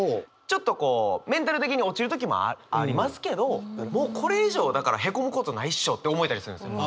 ちょっとこうメンタル的に落ちる時もありますけどもうこれ以上だからへこむことないっしょって思えたりするんですよ。